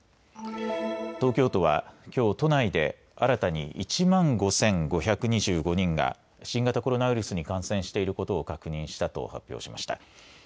東京都は、きょう都内で新たに１万５５２５人が、新型コロナウイルスに感染していることを確認したと発表しました。